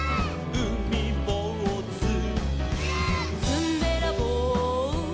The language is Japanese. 「うみぼうず」「」「ずんべらぼう」「」